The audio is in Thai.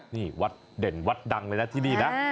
นี่วัดเด่นวัดดังเลยนะที่นี่นะ